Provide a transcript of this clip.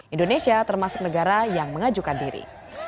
indonesia termasuk negara yang mengajukan diri